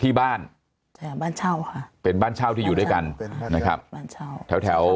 ที่บ้านบ้านเช่าค่ะเป็นบ้านเช่าที่อยู่ด้วยกันนะครับแถว